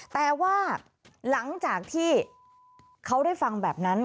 แต่ว่าหลังจากที่เขาได้ฟังแบบนั้น